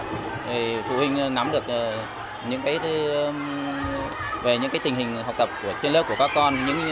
thì phụ huynh nắm được những cái về những tình hình học tập trên lớp của các con